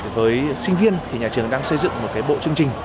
với sinh viên thì nhà trường đang xây dựng một bộ chương trình